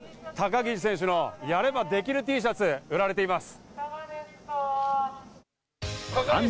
見てください、高岸選手の「やればできる！」Ｔシャツが売られています。